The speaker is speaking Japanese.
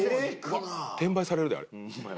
うわっ転売されるであれ。